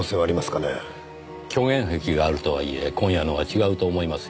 虚言癖があるとはいえ今夜のは違うと思いますよ。